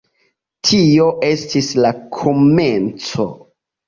Tio estis la komenco.